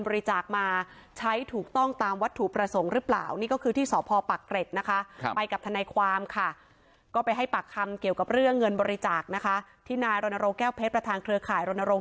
รู่กับเรื่องเงินบริจาคนะคะที่นายลณโรงแก้วเพชรประธานเครือข่ายลณรงค์